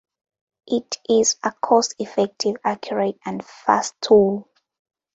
It is a cost effective, accurate and fast tool.